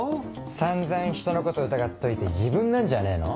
散々人のこと疑っといて自分なんじゃねえの？